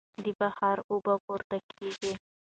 د بحر اوبه پورته کېږي.